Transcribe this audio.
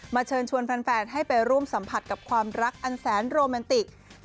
เชิญชวนแฟนให้ไปร่วมสัมผัสกับความรักอันแสนโรแมนติก